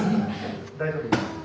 大丈夫ですか？